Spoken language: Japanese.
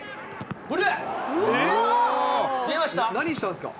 何したんですか？